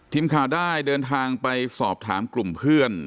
ทีมข่าวได้เดินทางไปสอบถามกลุ่มเพื่อน